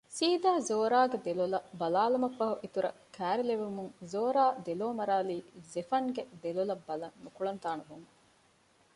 ސީދާ ޒޯރާގެ ދެލޮލަށް ބަލާލުމަށްފަހު އިތުރަށް ކައިރިވެލުމުން ޒޯރާ ދެލޯމަރާލީ ޒެފަންގެ ދެލޮލަށް ބަލަން ނުކުޅަދާނަވުމުން